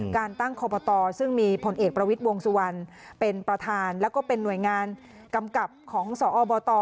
การตั้งคอบตซึ่งมีผลเอกประวิทย์วงสุวรรณเป็นประธานแล้วก็เป็นหน่วยงานกำกับของสอบต